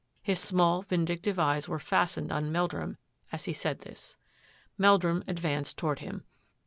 His small, vindictive eyes were fastened on Meldrum as he said this. Meldrum advanced toward him.